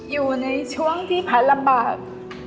อยู่ในช่วงที่แผนลำบาก